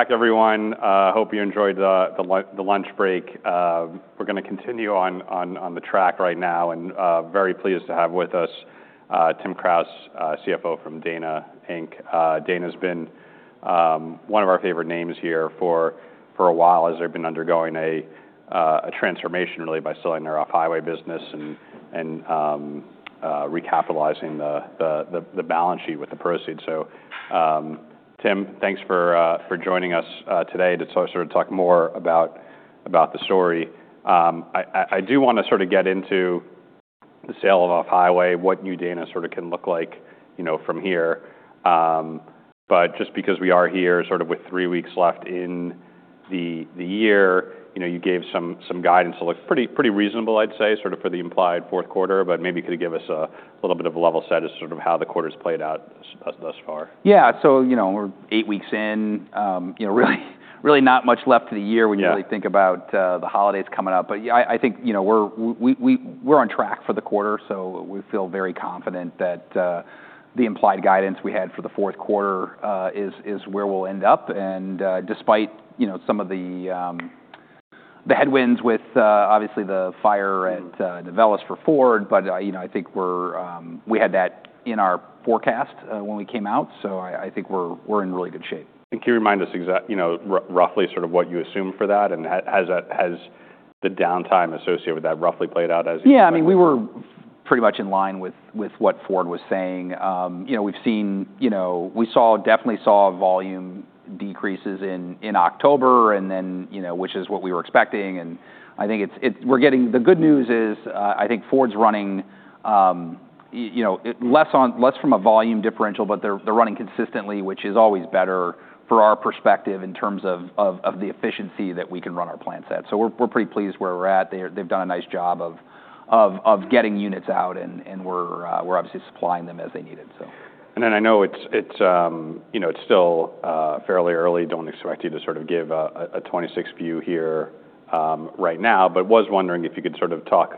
Back, everyone. Hope you enjoyed the lunch break. We're gonna continue on the track right now, and very pleased to have with us Tim Kraus, CFO from Dana, Inc. Dana's been one of our favorite names here for a while as they've been undergoing a transformation, really, by selling their off-highway business and recapitalizing the balance sheet with the proceeds. So, Tim, thanks for joining us today to sort of talk more about the story. I do wanna sort of get into the sale of off-highway, what new Dana sort of can look like, you know, from here. But just because we are here sort of with three weeks left in the year, you know, you gave some guidance that looks pretty reasonable, I'd say, sort of for the implied fourth quarter, but maybe could you give us a little bit of a level set as sort of how the quarter's played out thus far? Yeah. So, you know, we're eight weeks in, you know, really not much left to the year when you really think about the holidays coming up. But I think, you know, we're on track for the quarter, so we feel very confident that the implied guidance we had for the fourth quarter is where we'll end up. And despite, you know, some of the headwinds with obviously the fire at Novelis for Ford, but you know, I think we had that in our forecast when we came out. So I think we're in really good shape. Can you remind us exactly, you know, roughly sort of what you assume for that, and has the downtime associated with that roughly played out as you said? Yeah. I mean, we were pretty much in line with what Ford was saying. You know, we've seen, you know, we definitely saw volume decreases in October, and then, you know, which is what we were expecting. And I think the good news is, I think Ford's running, you know, less and less from a volume differential, but they're running consistently, which is always better from our perspective in terms of the efficiency that we can run our plants at. So we're pretty pleased where we're at. They've done a nice job of getting units out, and we're obviously supplying them as they need it, so. And then I know it's still fairly early. Don't expect you to sort of give a 2026 view here right now, but was wondering if you could sort of talk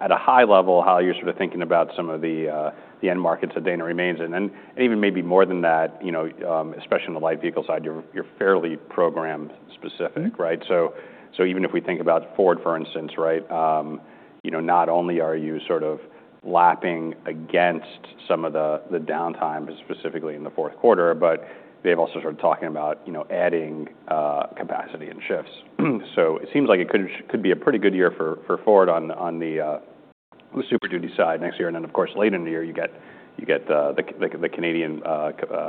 at a high level how you're sort of thinking about some of the end markets that Dana remains. And then even maybe more than that, you know, especially on the light vehicle side, you're fairly program-specific, right? So even if we think about Ford, for instance, right, you know, not only are you sort of lapping against some of the downtime specifically in the fourth quarter, but they've also sort of talking about, you know, adding capacity and shifts. So it seems like it could be a pretty good year for Ford on the Super Duty side next year. And then, of course, late in the year, you get the Canadian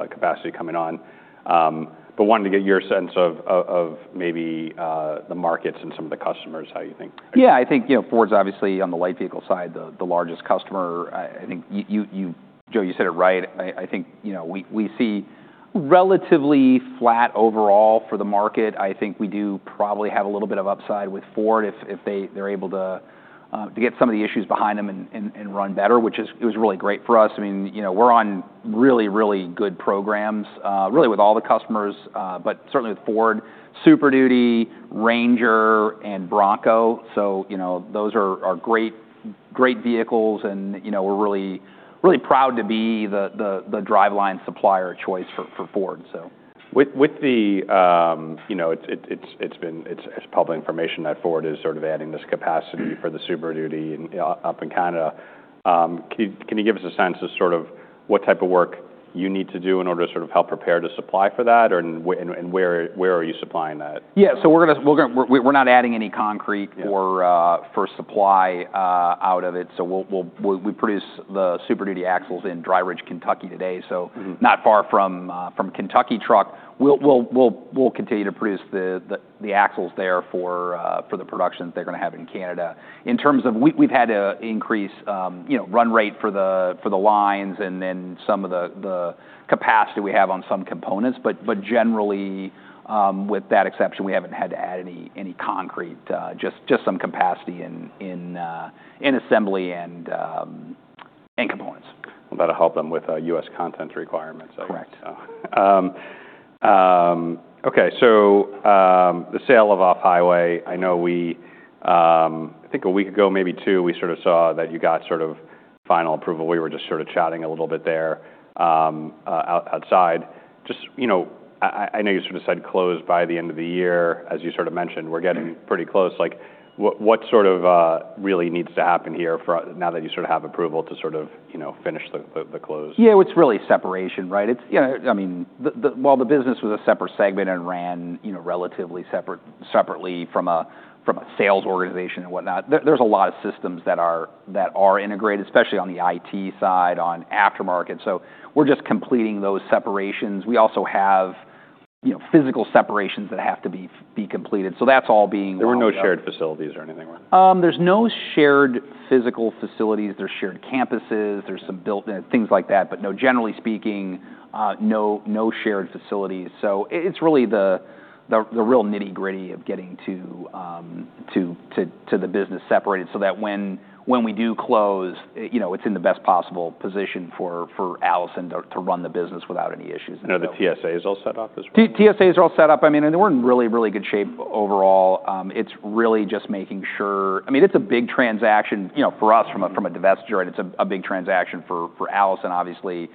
capacity coming on. But wanted to get your sense of maybe the markets and some of the customers, how you think. Yeah. I think, you know, Ford's obviously on the light vehicle side, the largest customer. I think you, Joe, you said it right. I think, you know, we see relatively flat overall for the market. I think we do probably have a little bit of upside with Ford if they are able to get some of the issues behind them and run better, which is, it was really great for us. I mean, you know, we're on really good programs, really with all the customers, but certainly with Ford, Super Duty, Ranger, and Bronco. So, you know, those are great vehicles, and, you know, we're really proud to be the driveline supplier choice for Ford, so. With the, you know, it's been public information that Ford is sort of adding this capacity for the Super Duty and up in Canada. Can you give us a sense of sort of what type of work you need to do in order to sort of help prepare to supply for that, or where are you supplying that? Yeah. So we're not adding any concrete for supply out of it. So we produce the Super Duty axles in Dry Ridge, Kentucky today, so. Mm-hmm. Not far from Kentucky Truck. We'll continue to produce the axles there for the production that they're gonna have in Canada. In terms of we've had an increase, you know, run rate for the lines and then some of the capacity we have on some components. But generally, with that exception, we haven't had to add any CapEx, just some capacity in assembly and components. That'll help them with U.S. content requirements, I think. Correct. Okay. So, the sale of off-highway, I know we, I think a week ago, maybe two, we sort of saw that you got sort of final approval. We were just sort of chatting a little bit there, outside. Just, you know, I know you sort of said close by the end of the year, as you sort of mentioned, we're getting pretty close. Like, what sort of really needs to happen here for now that you sort of have approval to sort of, you know, finish the close? Yeah. It's really separation, right? It's, you know, I mean, the while the business was a separate segment and ran, you know, relatively separate, separately from a sales organization and whatnot, there's a lot of systems that are integrated, especially on the IT side, on aftermarket. So we're just completing those separations. We also have, you know, physical separations that have to be completed. So that's all being run. There were no shared facilities or anything? There’s no shared physical facilities. There’s shared campuses. There’s some built-in things like that. But no, generally speaking, no, no shared facilities. So it’s really the real nitty-gritty of getting to the business separated so that when we do close, you know, it’s in the best possible position for Allison to run the business without any issues. You know, the TSA is all set up as well? TSAs are all set up. I mean, and we're in really, really good shape overall. It's really just making sure I mean, it's a big transaction, you know, for us from a divestiture, right? It's a big transaction for Allison, obviously.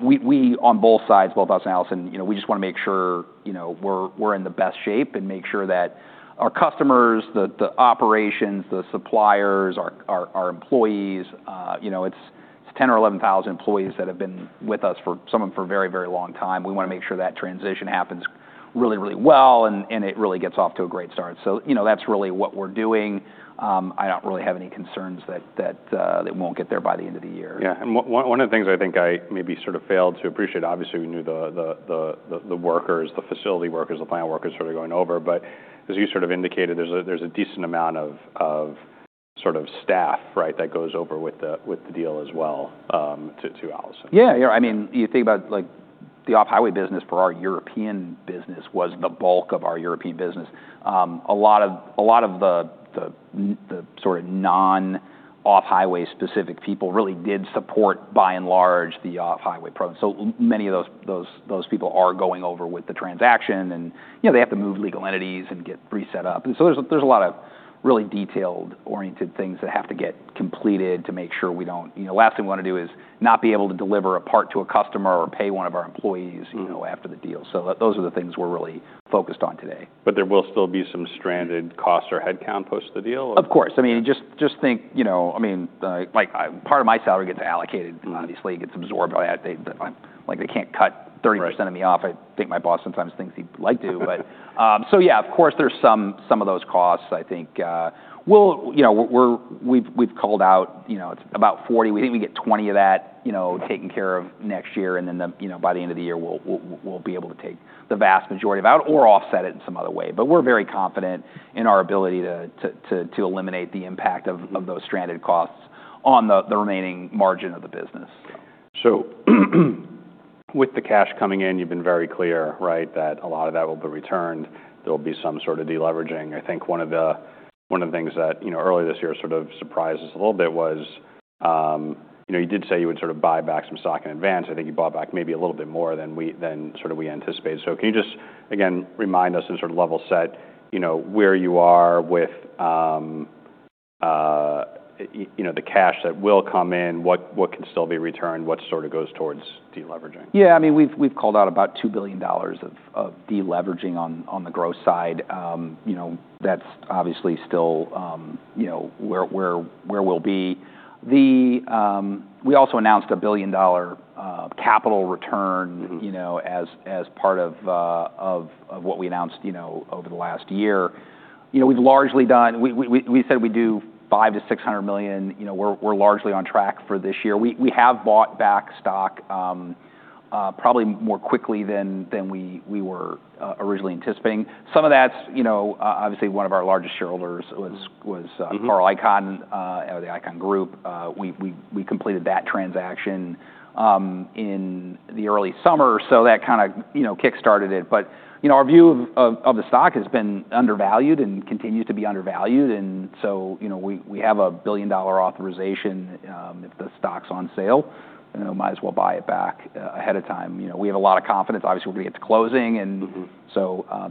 We on both sides, both us and Allison, you know, we just wanna make sure, you know, we're in the best shape and make sure that our customers, the operations, the suppliers, our employees, you know, it's 10 or 11 thousand employees that have been with us for some of them for a very, very long time. We wanna make sure that transition happens really, really well and it really gets off to a great start. So, you know, that's really what we're doing. I don't really have any concerns that we won't get there by the end of the year. Yeah. And one of the things I think I maybe sort of failed to appreciate, obviously, we knew the workers, the facility workers, the plant workers sort of going over, but as you sort of indicated, there's a decent amount of sort of staff, right, that goes over with the deal as well, to Allison. Yeah. Yeah. I mean, you think about, like, the off-highway business for our European business was the bulk of our European business. A lot of the sort of non-off-highway specific people really did support by and large the off-highway program. So many of those people are going over with the transaction and, you know, they have to move legal entities and get reset up. And so there's a lot of really detail-oriented things that have to get completed to make sure we don't, you know, last thing we wanna do is not be able to deliver a part to a customer or pay one of our employees, you know, after the deal. So those are the things we're really focused on today. But there will still be some stranded costs or headcount post the deal? Of course. I mean, just think, you know, I mean, like, part of my salary gets allocated, obviously. It gets absorbed by that. They, like, they can't cut 30% of me off. I think my boss sometimes thinks he'd like to, but, so yeah, of course, there's some of those costs. I think, we'll, you know, we've called out, you know, it's about 40. We think we get 20 of that, you know, taken care of next year. And then the, you know, by the end of the year, we'll be able to take the vast majority out or offset it in some other way. But we're very confident in our ability to eliminate the impact of those stranded costs on the remaining margin of the business, so. So with the cash coming in, you've been very clear, right, that a lot of that will be returned. There'll be some sort of deleveraging. I think one of the, one of the things that, you know, earlier this year sort of surprised us a little bit was, you know, you did say you would sort of buy back some stock in advance. I think you bought back maybe a little bit more than we, than sort of we anticipated. So can you just, again, remind us and sort of level set, you know, where you are with, you know, the cash that will come in, what, what can still be returned, what sort of goes towards deleveraging? Yeah. I mean, we've called out about $2 billion of deleveraging on the gross side. You know, that's obviously still, you know, where we'll be. We also announced a $1 billion capital return, you know, as part of what we announced, you know, over the last year. You know, we've largely done. We said we do $500 million-$600 million. You know, we're largely on track for this year. We have bought back stock, probably more quickly than we were originally anticipating. Some of that's, you know, obviously one of our largest shareholders was, Mm-hmm. Carl Icahn, or the Icahn Group. We completed that transaction in the early summer. So that kind of, you know, kickstarted it. But you know, our view of the stock has been undervalued and continues to be undervalued. And so, you know, we have a $1 billion authorization. If the stock's on sale, you know, might as well buy it back ahead of time. You know, we have a lot of confidence, obviously. We're gonna get to closing. And. Mm-hmm.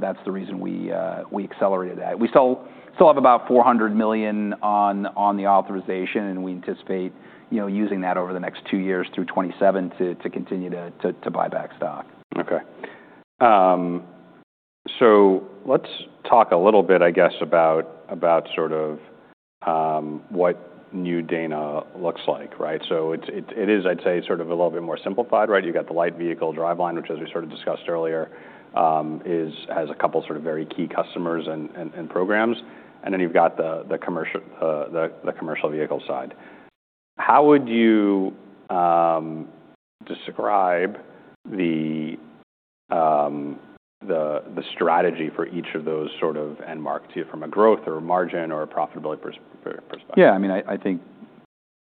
That's the reason we accelerated that. We still have about $400 million on the authorization, and we anticipate, you know, using that over the next two years through 2027 to continue to buy back stock. Okay, so let's talk a little bit, I guess, about sort of what new Dana looks like, right? So it's, I'd say, sort of a little bit more simplified, right? You've got the light vehicle driveline, which, as we sort of discussed earlier, has a couple sort of very key customers and programs. And then you've got the commercial vehicle side. How would you describe the strategy for each of those sort of end markets, either from a growth or a margin or a profitability perspective? Yeah. I mean, I think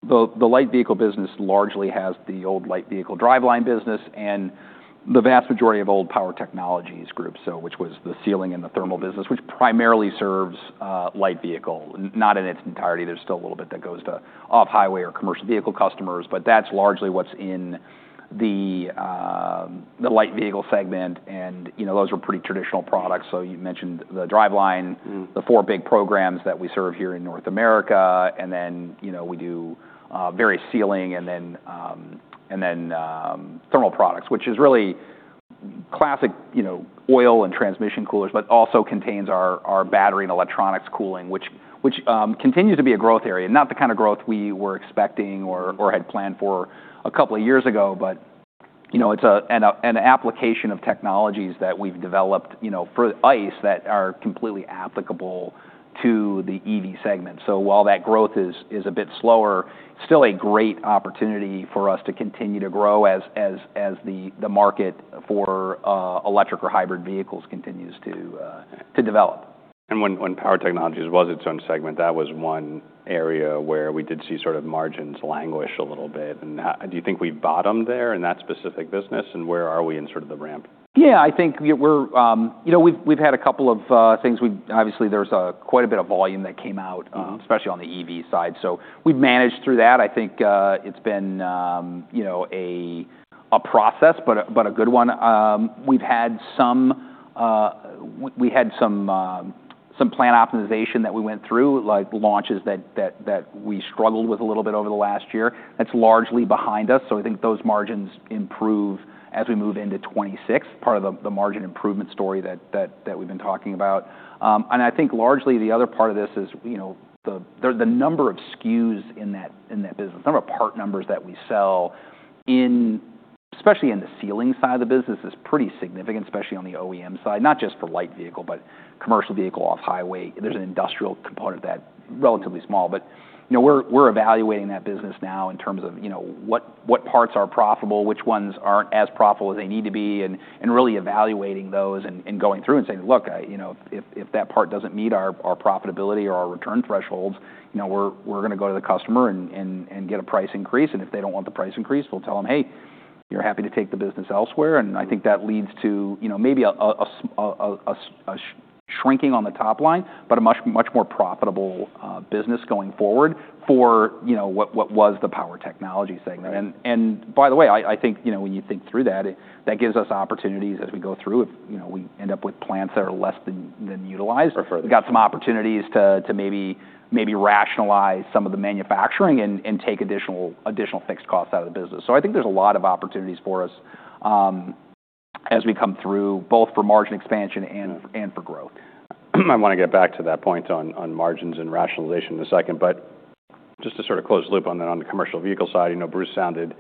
the light vehicle business largely has the old light vehicle driveline business and the vast majority of old power technologies groups, so which was the sealing and the thermal business, which primarily serves light vehicle, not in its entirety. There's still a little bit that goes to off-highway or commercial vehicle customers, but that's largely what's in the light vehicle segment. And, you know, those are pretty traditional products. So you mentioned the driveline. Mm-hmm. The four big programs that we serve here in North America. And then, you know, we do various sealing and then thermal products, which is really classic, you know, oil and transmission coolers, but also contains our battery and electronics cooling, which continues to be a growth area, not the kind of growth we were expecting or had planned for a couple of years ago. But, you know, it's an application of technologies that we've developed, you know, for ICE that are completely applicable to the EV segment. So while that growth is a bit slower, still a great opportunity for us to continue to grow as the market for electric or hybrid vehicles continues to develop. When power technologies was its own segment, that was one area where we did see sort of margins languish a little bit. How do you think we bottomed there in that specific business, and where are we in sort of the ramp? Yeah. I think, you know, we're, you know, we've had a couple of things. We've obviously. There's quite a bit of volume that came out, especially on the EV side. So we've managed through that. I think it's been, you know, a process, but a good one. We've had some plant optimization that we went through, like launches that we struggled with a little bit over the last year. That's largely behind us. So I think those margins improve as we move into 2026, part of the margin improvement story that we've been talking about. And I think largely the other part of this is, you know, the number of SKUs in that business, number of part numbers that we sell in, especially in the sealing side of the business is pretty significant, especially on the OEM side, not just for light vehicle, but commercial vehicle off-highway. There's an industrial component that's relatively small, but, you know, we're evaluating that business now in terms of, you know, what parts are profitable, which ones aren't as profitable as they need to be, and really evaluating those and going through and saying, "Look, I, you know, if that part doesn't meet our profitability or our return thresholds, you know, we're gonna go to the customer and get a price increase." And if they don't want the price increase, we'll tell them, "Hey, you're happy to take the business elsewhere." And I think that leads to, you know, maybe a shrinking on the top line, but a much more profitable business going forward for, you know, what was the power technology segment. By the way, I think, you know, when you think through that, it gives us opportunities as we go through if, you know, we end up with plants that are less than utilized. Or further. We've got some opportunities to maybe rationalize some of the manufacturing and take additional fixed costs out of the business. So I think there's a lot of opportunities for us, as we come through both for margin expansion and for growth. I wanna get back to that point on margins and rationalization in a second. But just to sort of close the loop on the commercial vehicle side, you know, Bruce sounded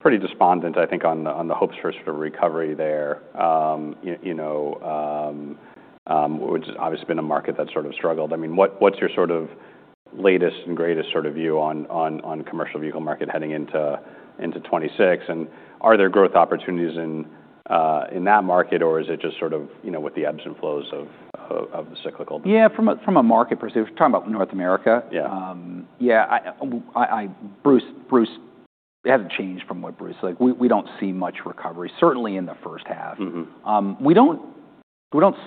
pretty despondent, I think, on the hopes for sort of recovery there. You know, which has obviously been a market that sort of struggled. I mean, what's your sort of latest and greatest sort of view on the commercial vehicle market heading into 2026? And are there growth opportunities in that market, or is it just sort of, you know, with the ebbs and flows of the cyclical? Yeah. From a market perspective, we're talking about North America. Yeah. Yeah. Bruce hasn't changed from what Bruce said. Like, we don't see much recovery, certainly in the first half. Mm-hmm. We don't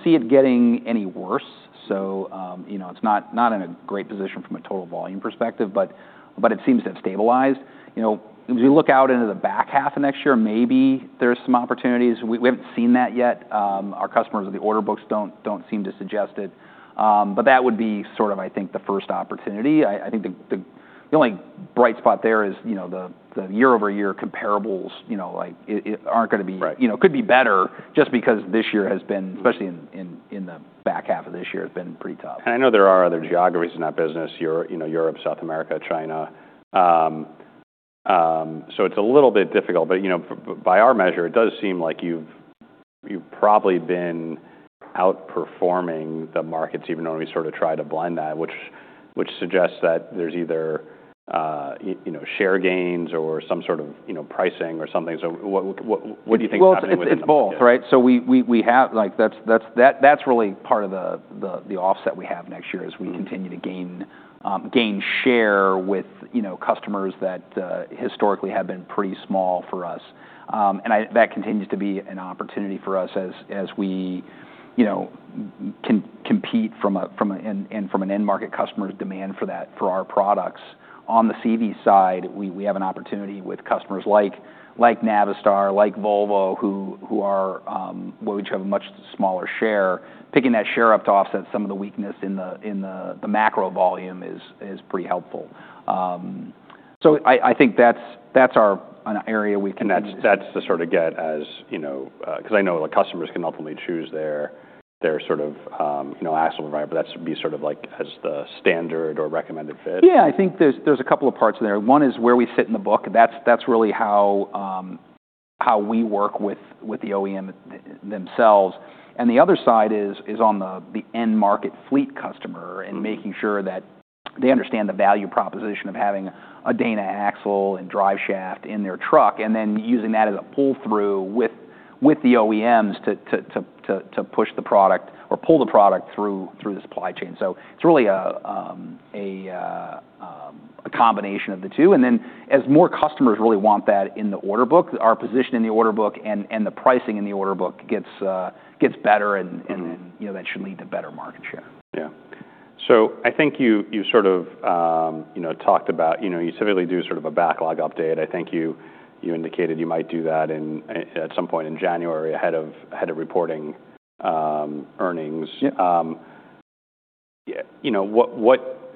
see it getting any worse. So, you know, it's not in a great position from a total volume perspective, but it seems to have stabilized. You know, as we look out into the back half of next year, maybe there's some opportunities. We haven't seen that yet. Our customers' order books don't seem to suggest it. But that would be sort of, I think, the first opportunity. I think the only bright spot there is, you know, the year-over-year comparables, you know, like, they aren't gonna be. Right. You know, could be better just because this year has been, especially in the back half of this year, has been pretty tough. And I know there are other geographies in that business, you know, Europe, South America, China. So it's a little bit difficult, but, you know, by our measure, it does seem like you've probably been outperforming the markets, even when we sort of try to blend that, which suggests that there's either, you know, share gains or some sort of, you know, pricing or something. So what do you think's happening with that? It's both, right? We have, like, that's really part of the offset we have next year. We continue to gain share with, you know, customers that historically have been pretty small for us. That continues to be an opportunity for us as we, you know, can compete from an end market customer's demand for our products. On the CV side, we have an opportunity with customers like Navistar, like Volvo, which have a much smaller share. Picking that share up to offset some of the weakness in the macro volume is pretty helpful. I think that's an area we can. That's the sort of, you know, 'cause I know, like, customers can ultimately choose their sort of, you know, axle provider, but that'd be sort of like a the standard or recommended fit? Yeah. I think there's a couple of parts there. One is where we sit in the book. That's really how we work with the OEM themselves. And the other side is on the end market fleet customer and making sure that they understand the value proposition of having a Dana Axle and drive shaft in their truck and then using that as a pull-through with the OEMs to push the product or pull the product through the supply chain. So it's really a combination of the two. And then as more customers really want that in the order book, our position in the order book and the pricing in the order book gets better and then, you know, that should lead to better market share. Yeah, so I think you sort of, you know, talked about, you know, you typically do sort of a backlog update. I think you indicated you might do that at some point in January ahead of reporting earnings. Yeah. You know, what,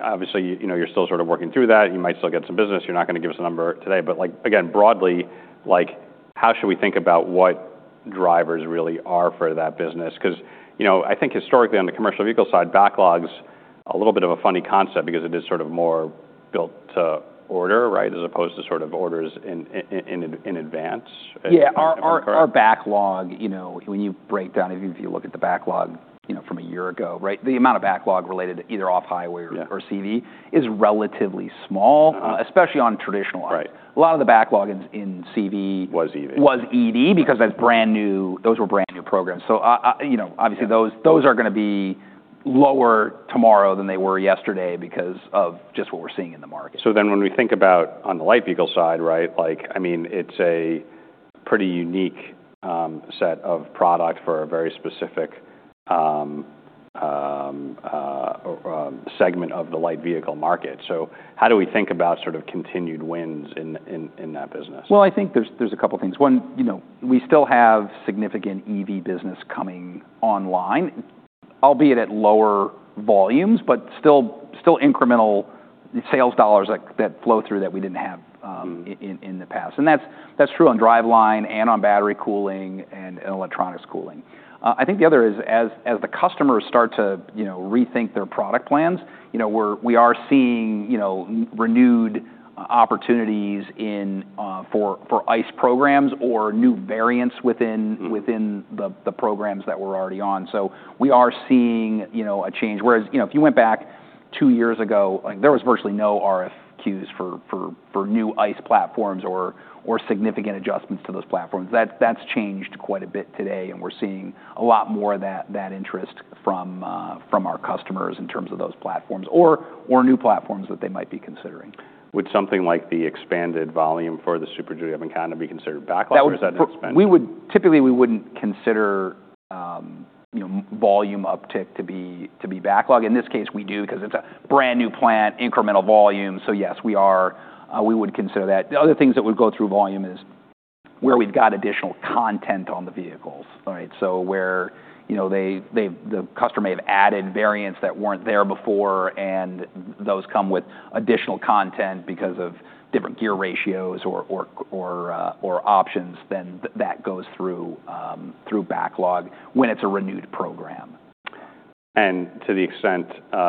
obviously, you know, you're still sort of working through that. You might still get some business. You're not gonna give us a number today. But, like, again, broadly, like, how should we think about what drivers really are for that business? 'Cause, you know, I think historically on the commercial vehicle side, backlog's a little bit of a funny concept because it is sort of more built to order, right, as opposed to sort of orders in advance. Yeah. Our backlog, you know, if you look at the backlog, you know, from a year ago, right, the amount of backlog related to either off-highway or CV is relatively small. Uh-huh. especially on traditional. Right. A lot of the backlog in CV. Was EV. Was EV because that's brand new. Those were brand new programs. So, you know, obviously those are gonna be lower tomorrow than they were yesterday because of just what we're seeing in the market. So then when we think about on the light vehicle side, right, like, I mean, it's a pretty unique set of product for a very specific segment of the light vehicle market. So how do we think about sort of continued wins in that business? Well, I think there's a couple of things. One, you know, we still have significant EV business coming online, albeit at lower volumes, but still incremental sales dollars that flow through that we didn't have in the past. And that's true on driveline and on battery cooling and electronics cooling. I think the other is as the customers start to, you know, rethink their product plans, you know, we are seeing, you know, renewed opportunities in for ICE programs or new variants within the programs that we're already on. So we are seeing, you know, a change. Whereas, you know, if you went back two years ago, like, there was virtually no RFQs for new ICE platforms or significant adjustments to those platforms. That's changed quite a bit today. We're seeing a lot more of that interest from our customers in terms of those platforms or new platforms that they might be considering. Would something like the expanded volume for the Super Duty ramp-up and count be considered backlog? That would. or is that an expense? We would typically, we wouldn't consider, you know, volume uptick to be backlog. In this case, we do 'cause it's a brand new plant, incremental volume. So yes, we are, we would consider that. The other things that would go through volume is where we've got additional content on the vehicles, right? So where, you know, they've, the customer may have added variants that weren't there before, and those come with additional content because of different gear ratios or options, then that goes through backlog when it's a renewed program. And to the extent,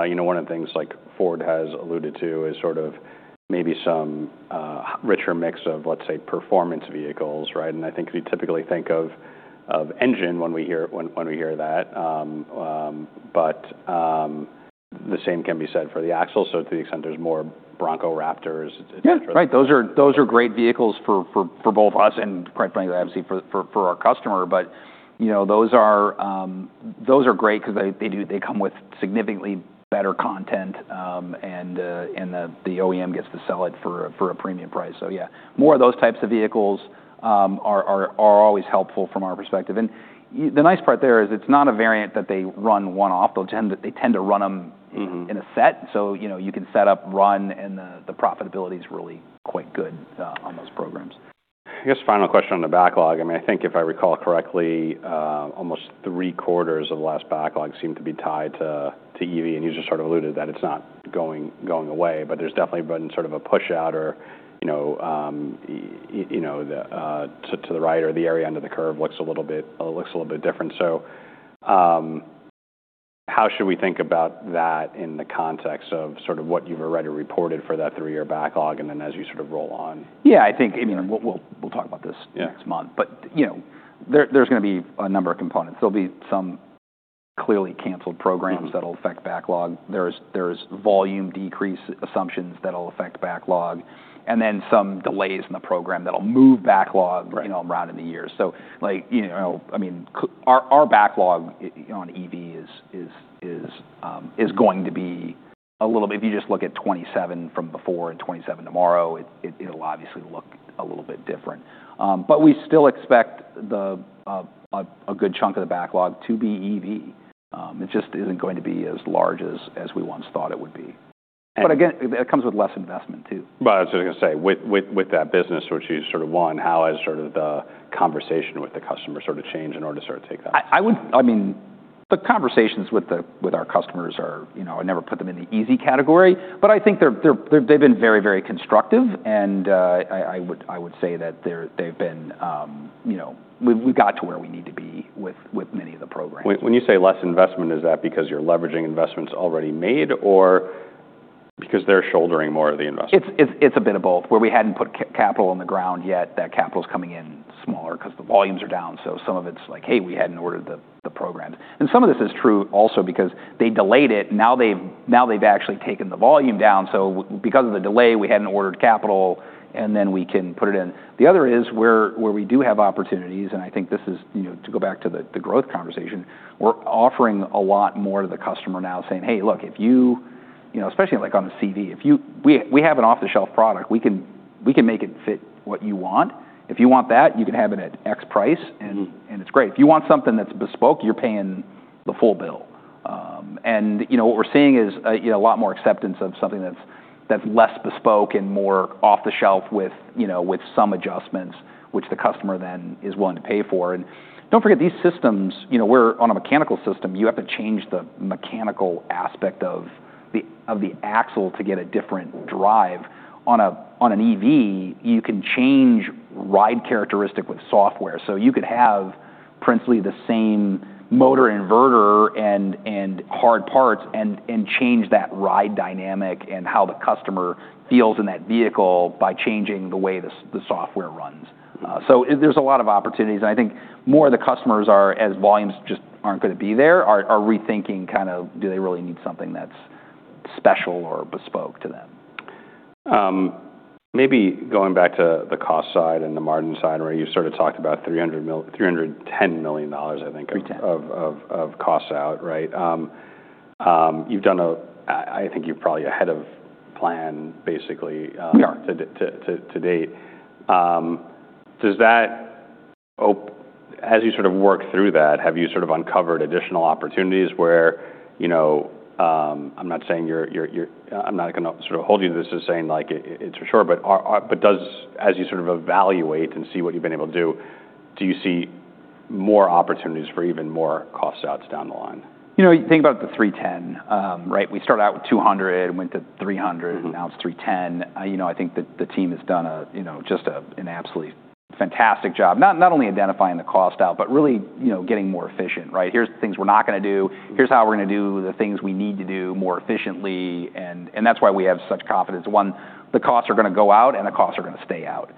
you know, one of the things like Ford has alluded to is sort of maybe some richer mix of, let's say, performance vehicles, right? And I think we typically think of engine when we hear that. But the same can be said for the axle. So to the extent there's more Bronco Raptors. Yeah. Right. Those are great vehicles for both us and, quite frankly, obviously for our customer, but you know, those are great 'cause they do come with significantly better content, and the OEM gets to sell it for a premium price, so yeah, more of those types of vehicles are always helpful from our perspective, and the nice part there is it's not a variant that they run one-off. They'll tend to run 'em. Mm-hmm. In a set. So, you know, you can set up, run, and the profitability's really quite good on those programs. I guess final question on the backlog. I mean, I think if I recall correctly, almost three quarters of the last backlog seem to be tied to EV. And you just sort of alluded that it's not going away, but there's definitely been sort of a push out or, you know, to the right or the area under the curve looks a little bit different. So, how should we think about that in the context of sort of what you've already reported for that three-year backlog and then as you sort of roll on? Yeah. I think, I mean, we'll talk about this. Yeah. Next month. But, you know, there's gonna be a number of components. There'll be some clearly canceled programs. Mm-hmm. That'll affect backlog. There's volume decrease assumptions that'll affect backlog and then some delays in the program that'll move backlog. Right. You know, around in the year. So, like, you know, I mean, our backlog on EV is going to be a little bit, if you just look at 2027 from before and 2027 tomorrow, it, it'll obviously look a little bit different. But we still expect a good chunk of the backlog to be EV. It just isn't going to be as large as we once thought it would be. But again, that comes with less investment too. But I was just gonna say, with that business, which you sort of won, how has sort of the conversation with the customer sort of changed in order to sort of take that? I would, I mean, the conversations with our customers are, you know, I never put them in the easy category, but I think they've been very constructive. I would say that they've been, you know, we've got to where we need to be with many of the programs. When you say less investment, is that because you're leveraging investments already made or because they're shouldering more of the investment? It's a bit of both. Where we hadn't put capital on the ground yet, that capital's coming in smaller 'cause the volumes are down. So some of it's like, hey, we hadn't ordered the programs. And some of this is true also because they delayed it. Now they've actually taken the volume down. So because of the delay, we hadn't ordered capital, and then we can put it in. The other is where we do have opportunities, and I think this is, you know, to go back to the growth conversation, we're offering a lot more to the customer now saying, hey, look, if you, you know, especially like on the CV, if you, we have an off-the-shelf product, we can make it fit what you want. If you want that, you can have it at X price, and it's great. If you want something that's bespoke, you're paying the full bill, and you know, what we're seeing is, you know, a lot more acceptance of something that's less bespoke and more off-the-shelf with, you know, some adjustments, which the customer then is willing to pay for, and don't forget these systems, you know, we're on a mechanical system. You have to change the mechanical aspect of the axle to get a different drive. On an EV, you can change ride characteristic with software. You could have principally the same motor inverter and hard parts and change that ride dynamic and how the customer feels in that vehicle by changing the way the software runs, so there's a lot of opportunities. I think more of the customers are, as volumes just aren't gonna be there, rethinking kind of, do they really need something that's special or bespoke to them? Maybe going back to the cost side and the margin side, right? You sort of talked about $300 million, $310 million, I think. 310. Of cost out, right? You've done a. I think you're probably ahead of plan basically. We are. To date, does that, as you sort of work through that, have you sort of uncovered additional opportunities where, you know, I'm not saying you're, I'm not gonna sort of hold you to this as saying like it's for sure, but does, as you sort of evaluate and see what you've been able to do, do you see more opportunities for even more cost outs down the line? You know, you think about the 310, right? We started out with 200, went to 300. Mm-hmm. Now it's 310. You know, I think the team has done, you know, just an absolutely fantastic job, not only identifying the cost out, but really, you know, getting more efficient, right? Here's things we're not gonna do. Here's how we're gonna do the things we need to do more efficiently. That's why we have such confidence. One, the costs are gonna go out and the costs are gonna stay out.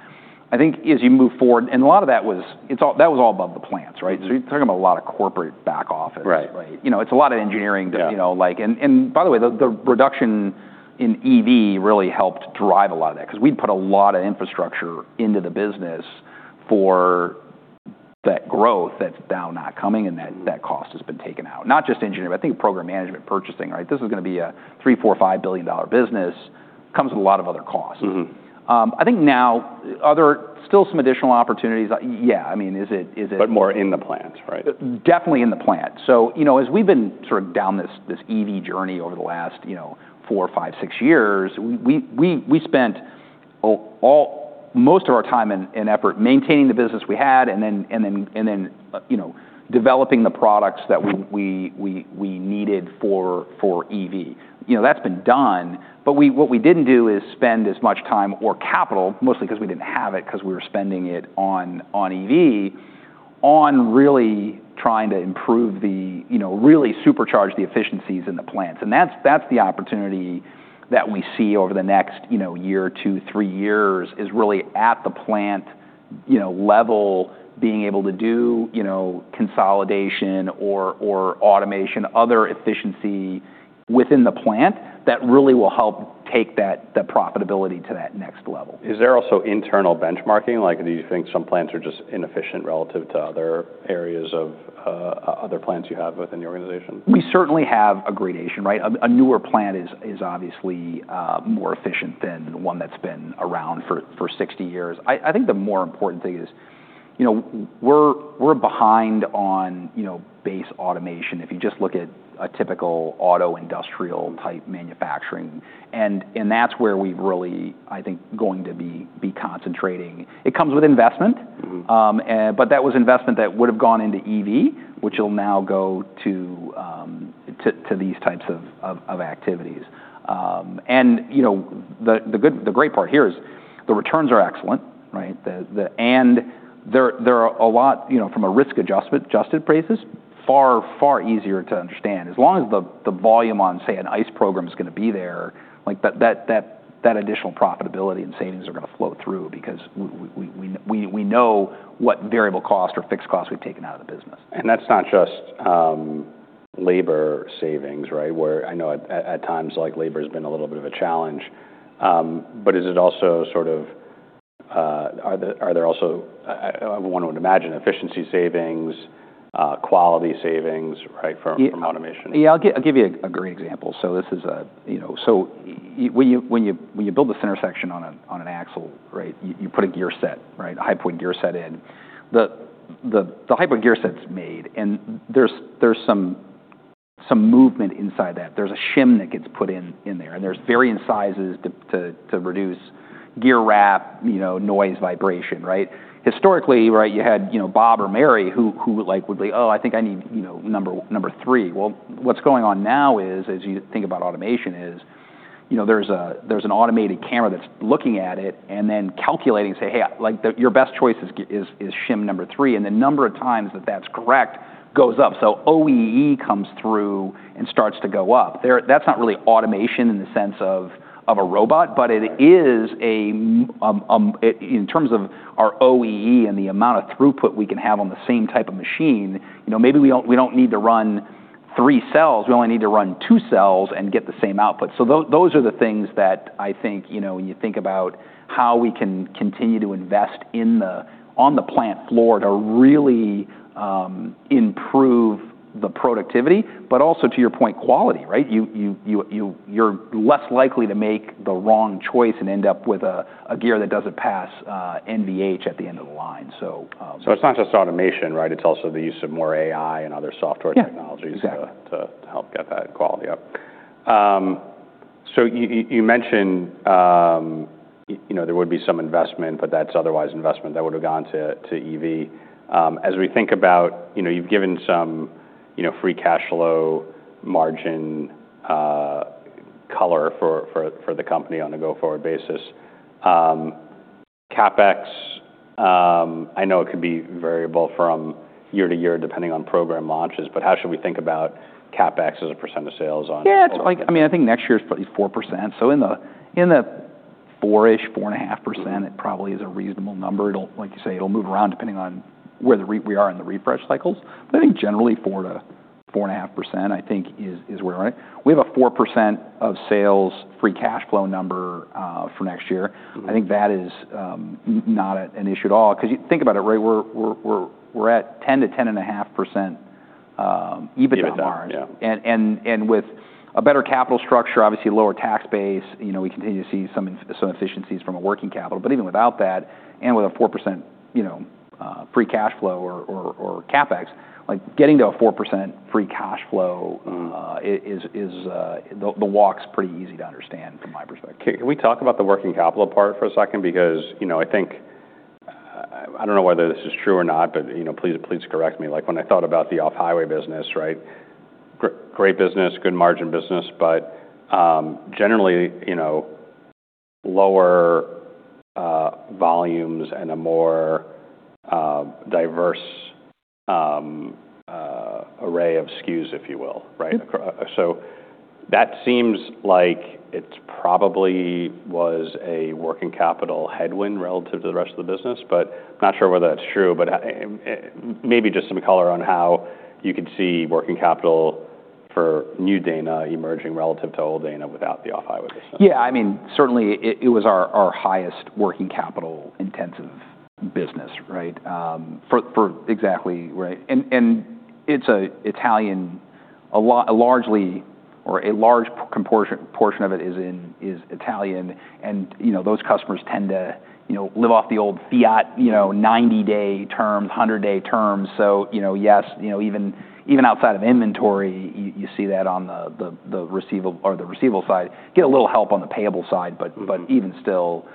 I think as you move forward, and a lot of that was all above the plants, right? So you're talking about a lot of corporate back office. Right. Right. You know, it's a lot of engineering to. Yeah. You know, like, and by the way, the reduction in EV really helped drive a lot of that 'cause we'd put a lot of infrastructure into the business for that growth that's now not coming and that cost has been taken out. Not just engineering, but I think program management, purchasing, right? This is gonna be a $3-$5 billion business, comes with a lot of other costs. Mm-hmm. I think now, are there still some additional opportunities? Yeah. I mean, is it, is it. But more in the plants, right? Definitely in the plant, so you know, as we've been sort of down this EV journey over the last, you know, four, five, six years, we spent almost all of our time and effort maintaining the business we had and then, you know, developing the products that we needed for EV. You know, that's been done, but what we didn't do is spend as much time or capital, mostly 'cause we didn't have it, 'cause we were spending it on EV, on really trying to improve, you know, really supercharge the efficiencies in the plants. That's the opportunity that we see over the next, you know, year, two, three years. It is really at the plant, you know, level, being able to do, you know, consolidation or automation, other efficiency within the plant that really will help take that profitability to that next level. Is there also internal benchmarking? Like, do you think some plants are just inefficient relative to other areas of, other plants you have within the organization? We certainly have a gradation, right? A newer plant is obviously more efficient than the one that's been around for 60 years. I think the more important thing is, you know, we're behind on, you know, base automation. If you just look at a typical auto industrial type manufacturing, and that's where we've really, I think, going to be concentrating. It comes with investment. Mm-hmm. But that was investment that would've gone into EV, which will now go to these types of activities. You know, the good, the great part here is the returns are excellent, right? And there are a lot, you know, from a risk-adjusted prices, far easier to understand. As long as the volume on, say, an ICE program is gonna be there, like that additional profitability and savings are gonna flow through because we know what variable cost or fixed cost we've taken out of the business. That's not just labor savings, right? Where I know at times, like labor has been a little bit of a challenge. But is it also sort of, are there also, I wouldn't wanna imagine efficiency savings, quality savings, right, from automation? Yeah. I'll give you a great example. So this is, you know, when you build this differential on an axle, right, you put a gear set, right? A hypoid gear set, the hypoid gear set's made and there's some movement inside that. There's a shim that gets put in there and there's varying sizes to reduce backlash, you know, noise, vibration, right? Historically, right, you had, you know, Bob or Mary who like would be, oh, I think I need, you know, number three. What's going on now is, as you think about automation, you know, there's an automated camera that's looking at it and then calculating and say, hey, like your best choice is shim number three. And the number of times that that's correct goes up. So OEE comes through and starts to go up there. That's not really automation in the sense of a robot, but it is, in terms of our OEE and the amount of throughput we can have on the same type of machine, you know, maybe we don't need to run three cells. We only need to run two cells and get the same output. Those are the things that I think, you know, when you think about how we can continue to invest in the, on the plant floor to really improve the productivity, but also to your point, quality, right? You're less likely to make the wrong choice and end up with a gear that doesn't pass NVH at the end of the line. So, So it's not just automation, right? It's also the use of more AI and other software technologies. Yeah. Exactly. To help get that quality up, so you mentioned, you know, there would be some investment, but that's otherwise investment that would've gone to EV, as we think about, you know, you've given some, you know, free cash flow margin color for the company on a go-forward basis. CapEx, I know it could be variable from year-to-year depending on program launches, but how should we think about CapEx as a % of sales on? Yeah. It's like, I mean, I think next year's probably 4%. So in the four-ish, 4.5%, it probably is a reasonable number. It'll, like you say, it'll move around depending on where we are in the refresh cycles. But I think generally 4%-4.5%, I think is where we're at. We have a 4% of sales free cash flow number for next year. Mm-hmm. I think that is not an issue at all. 'Cause you think about it, right? We're at 10%-10.5% EBITDA margins. EBITDA. Yeah. With a better capital structure, obviously lower tax base, you know, we continue to see some efficiencies from a working capital. But even without that and with a 4%, you know, free cash flow or CapEx, like getting to a 4% free cash flow. Mm-hmm. It is the walk's pretty easy to understand from my perspective. Okay. Can we talk about the working capital part for a second? Because, you know, I think, I don't know whether this is true or not, but, you know, please correct me. Like when I thought about the off-highway business, right? Great, great business, good margin business, but, generally, you know, lower volumes and a more diverse array of SKUs, if you will, right? Yeah. So that seems like it probably was a working capital headwind relative to the rest of the business, but I'm not sure whether that's true, but, maybe just some color on how you could see working capital for new Dana emerging relative to old Dana without the off-highway business. Yeah. I mean, certainly it was our highest working capital intensive business, right? For exactly, right? And it's an Italian, largely a large portion of it is Italian. And, you know, those customers tend to, you know, live off the old fiat, you know, 90-day terms, 100-day terms. So, you know, yes, you know, even outside of inventory, you see that on the receivable side, get a little help on the payable side, but even still,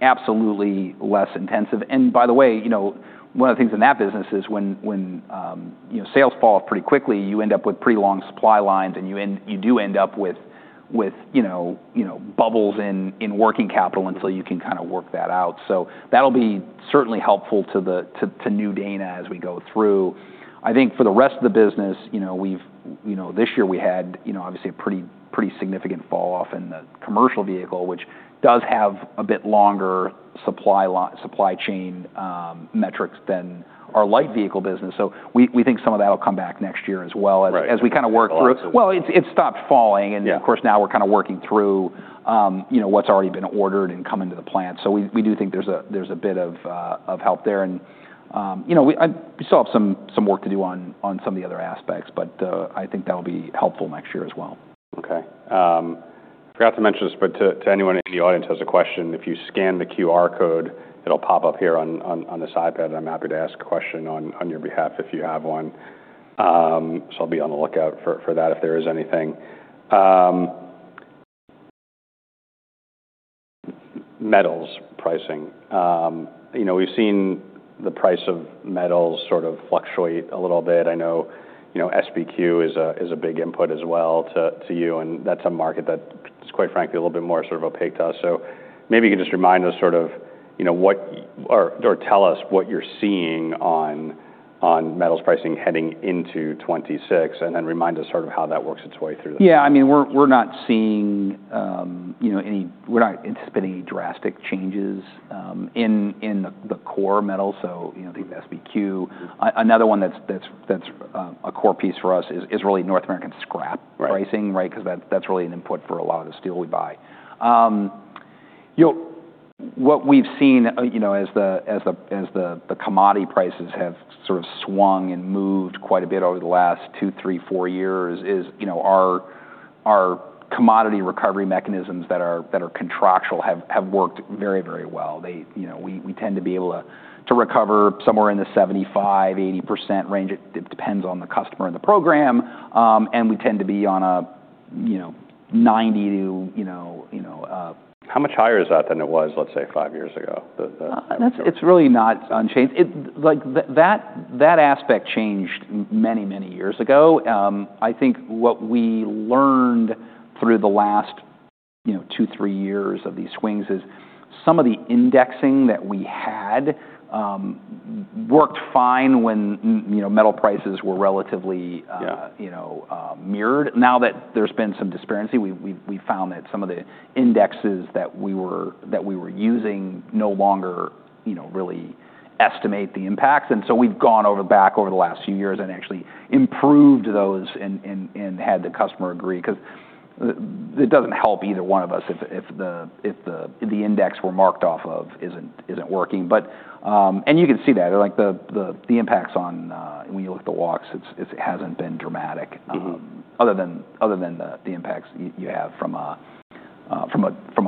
absolutely less intensive. And by the way, you know, one of the things in that business is when you know, sales fall pretty quickly, you end up with pretty long supply lines and you end up with you know, bubbles in working capital until you can kind of work that out. So that'll be certainly helpful to the new Dana as we go through. I think for the rest of the business, you know, we've you know, this year we had you know, obviously a pretty significant fall off in the commercial vehicle, which does have a bit longer supply chain metrics than our light vehicle business. So we think some of that'll come back next year as well as we kind of work through. Right. Well, it's stopped falling. Yeah. Of course now we're kind of working through, you know, what's already been ordered and come into the plant. So we do think there's a bit of help there. You know, we still have some work to do on some of the other aspects, but I think that'll be helpful next year as well. Okay. Forgot to mention this, but to anyone in the audience who has a question, if you scan the QR code, it'll pop up here on this iPad and I'm happy to ask a question on your behalf if you have one. So I'll be on the lookout for that if there is anything. Metals pricing. You know, we've seen the price of metals sort of fluctuate a little bit. I know, you know, SBQ is a big input as well to you and that's a market that's quite frankly a little bit more sort of opaque to us. So maybe you could just remind us sort of, you know, what or tell us what you're seeing on metals pricing heading into 2026 and then remind us sort of how that works its way through the. Yeah. I mean, we're not seeing, you know, any, we're not anticipating any drastic changes in the core metals. So, you know, I think the SBQ, another one that's a core piece for us is really North American scrap. Right. Pricing, right? 'Cause that, that's really an input for a lot of the steel we buy. You know, what we've seen, you know, as the commodity prices have sort of swung and moved quite a bit over the last two, three, four years is, you know, our commodity recovery mechanisms that are contractual have worked very, very well. They, you know, we tend to be able to recover somewhere in the 75%-80% range. It depends on the customer and the program. And we tend to be on a, you know, 90 to, you know, you know, How much higher is that than it was, let's say, five years ago? That's, it's really not unchanged. It, like, that aspect changed many, many years ago. I think what we learned through the last, you know, two, three years of these swings is some of the indexing that we had worked fine when, you know, metal prices were relatively, Yeah. You know, mirrored. Now that there's been some disparity, we've found that some of the indexes that we were using no longer, you know, really estimate the impacts. So we've gone back over the last few years and actually improved those and had the customer agree. 'Cause it doesn't help either one of us if the index we're marked off of isn't working. But you can see that like the impacts on, when you look at the walks, it hasn't been dramatic. Mm-hmm. other than the impacts you have from a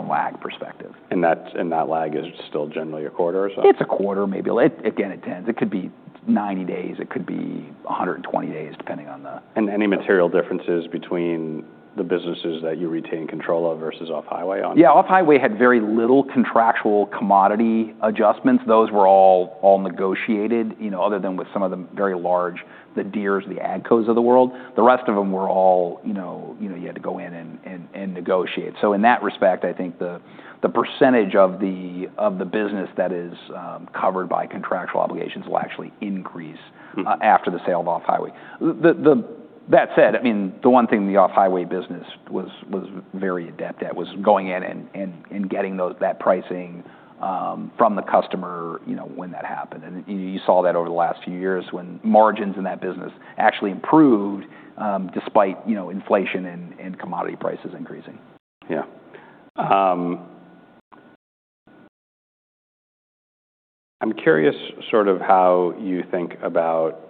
lag perspective. That lag is still generally a quarter or so? It's a quarter, maybe a little. Again, it depends. It could be 90 days. It could be 120 days depending on the. Any material differences between the businesses that you retain control of versus off-highway on? Yeah. Off-highway had very little contractual commodity adjustments. Those were all, all negotiated, you know, other than with some of the very large, the Deeres, the AGCOs of the world. The rest of them were all, you know, you know, you had to go in and, and, and negotiate. So in that respect, I think the, the percentage of the, of the business that is, covered by contractual obligations will actually increase. Mm-hmm. After the sale of off-highway, that said, I mean, the one thing the off-highway business was very adept at was going in and getting that pricing from the customer, you know, when that happened. And you saw that over the last few years when margins in that business actually improved, despite, you know, inflation and commodity prices increasing. Yeah. I'm curious sort of how you think about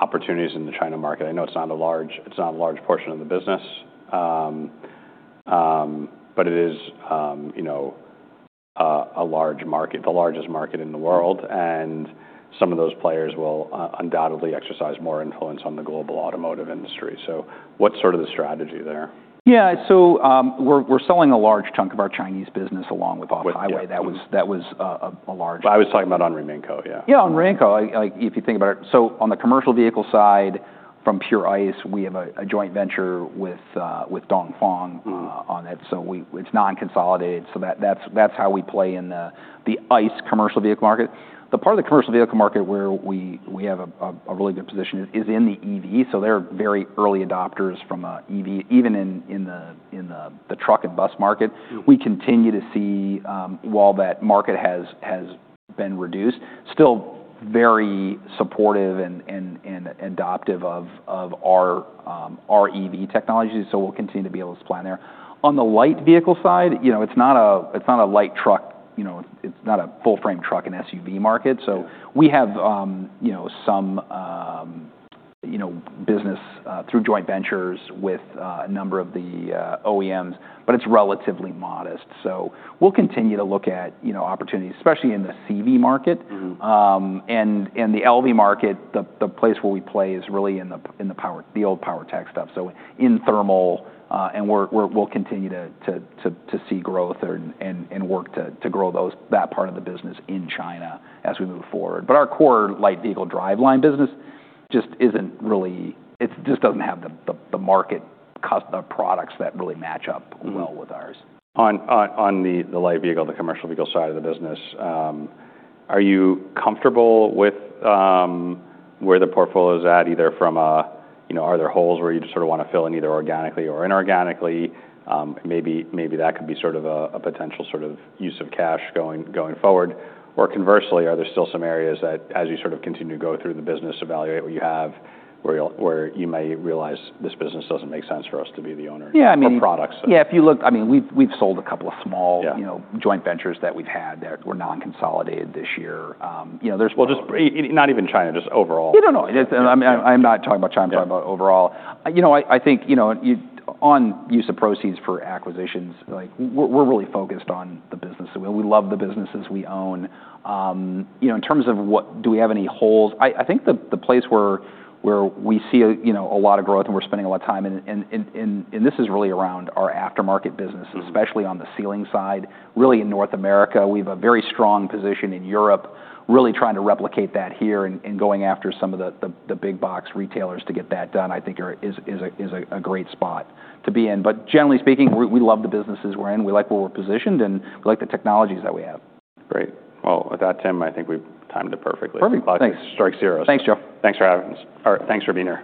opportunities in the China market. I know it's not a large, it's not a large portion of the business. But it is, you know, a large market, the largest market in the world. And some of those players will undoubtedly exercise more influence on the global automotive industry. So what's sort of the strategy there? Yeah. So, we're selling a large chunk of our Chinese business along with off-highway. With off-highway. That was a large. But I was talking about on Ramin Co. Yeah. Yeah. On Ramin Co., I like, if you think about it, so on the commercial vehicle side from pure ICE, we have a joint venture with Dongfeng. Mm-hmm. on it. So it's non-consolidated. So that's how we play in the ICE commercial vehicle market. The part of the commercial vehicle market where we have a really good position is in the EV. So they're very early adopters of EV even in the truck and bus market. Mm-hmm. We continue to see, while that market has been reduced, still very supportive and adaptive of our EV technology. So we'll continue to be able to supply there. On the light vehicle side, you know, it's not a light truck, you know, it's not a full-frame truck and SUV market. So we have, you know, some business through joint ventures with a number of the OEMs, but it's relatively modest. So we'll continue to look at, you know, opportunities, especially in the CV market. Mm-hmm. The LV market, the place where we play is really in the power, the old power tech stuff. So in thermal, and we'll continue to see growth and work to grow that part of the business in China as we move forward. But our core light vehicle driveline business just isn't really. It just doesn't have the market customer products that really match up well with ours. On the light vehicle, the commercial vehicle side of the business, are you comfortable with where the portfolio's at, either from a, you know, are there holes where you just sort of wanna fill in either organically or inorganically? Maybe that could be sort of a potential sort of use of cash going forward. Or conversely, are there still some areas that as you sort of continue to go through the business, evaluate what you have, where you may realize this business doesn't make sense for us to be the owner. Yeah. I mean. Of products. Yeah. If you look, I mean, we've sold a couple of small. Yeah. You know, joint ventures that we've had that were non-consolidated this year. You know, there's. Just not even China, just overall. Yeah. No, no. It's, I'm not talking about China. I'm talking about overall. You know, I think, you know, on use of proceeds for acquisitions, like we're really focused on the business that we love the businesses we own. You know, in terms of what do we have any holes? I think the place where we see, you know, a lot of growth and we're spending a lot of time in, and this is really around our aftermarket business. Mm-hmm. Especially on the sealing side. Really in North America, we have a very strong position in Europe, really trying to replicate that here and going after some of the big box retailers to get that done. I think there is a great spot to be in. But generally speaking, we love the businesses we're in. We like where we're positioned and we like the technologies that we have. Great. Well, at that time, I think we timed it perfectly. Perfect. Thanks. Like strike zero. Thanks, Joe. Thanks for having us. All right. Thanks for being here.